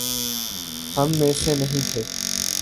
ہم میں سے نہیں تھے؟